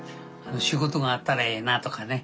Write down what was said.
仕事があったらええなとかね。